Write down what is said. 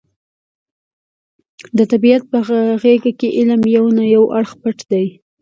د طبیعت په غېږه کې علم یو نه یو اړخ پټ دی.